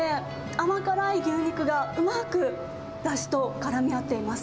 甘辛い牛肉がうまくだしと絡み合っています。